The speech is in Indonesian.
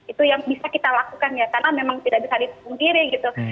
itu yang bisa kita lakukan ya karena memang tidak bisa dipungkiri gitu